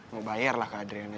mau bayar lah ke adriana